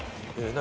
何？